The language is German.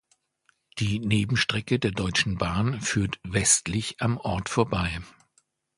Die Nebenstrecke der Deutschen Bahn führt westlich am Ort vorbei.